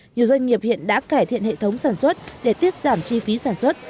nhiều doanh nghiệp hiện đã cải thiện hệ thống sản xuất để tiết giảm chi phí sản xuất